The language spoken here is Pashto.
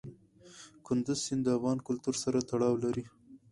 کندز سیند د افغان کلتور سره تړاو لري.